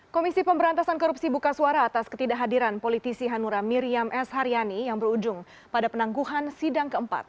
komisi pemberantasan korupsi buka suara atas ketidakhadiran politisi hanura miriam s haryani yang berujung pada penangguhan sidang keempat